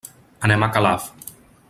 Anem a Calaf.